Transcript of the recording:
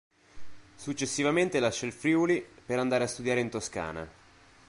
Successivamente lascia il Friuli per andare a studiare in Toscana.